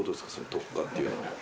特化っていうの。